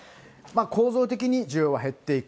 構造的に需要は減っていく。